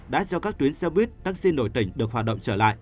đã cho các tuyến xe buýt taxi nổi tình được hoạt động trở lại